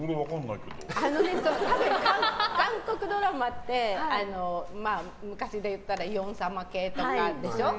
韓国ドラマって昔で言ったらヨン様系とかでしょ。